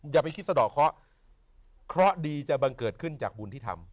อย่าไปคิดสะดอกเคราะห์เคราะห์ดีจะบังเกิดขึ้นจากบุญที่ทำ